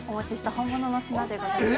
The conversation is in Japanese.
本物の砂でございます。